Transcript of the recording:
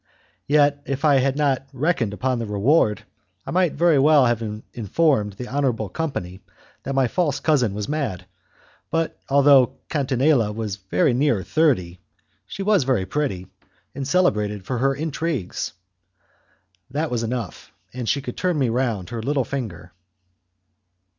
Yet, if I had not reckoned upon the reward, I might very well have informed the honourable company that my false cousin was mad, but, although Catinella was very near thirty, she was very pretty and celebrated for her intrigues; that was enough, and she could turn me round her little finger.